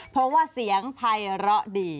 เพราะว่าเสียงไพระดี